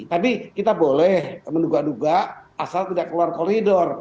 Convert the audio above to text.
tapi kita boleh menduga duga asal tidak keluar koridor